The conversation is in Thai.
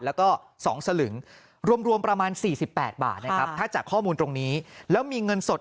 แล้วก็๒สลึงรวมประมาณ๔๘บาทนะครับถ้าจากข้อมูลตรงนี้แล้วมีเงินสด